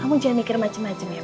kamu jangan mikir macem macem ya mas